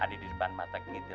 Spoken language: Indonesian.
tadi di depan mata kita